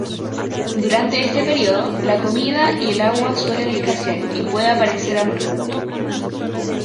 Durante este período, la comida y el agua suelen escasear y puede aparecer hambruna.